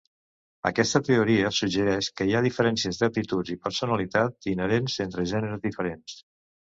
Aquesta teoria suggereix que hi ha diferències d'aptituds i personalitat inherents entre gèneres diferents.